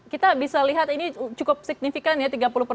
kita bisa lihat ini cukup signifikan ya